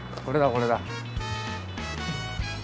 これだこれだ。